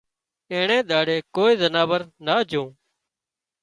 اينڻي ۮاڙي ڪوئي زناور نا جھون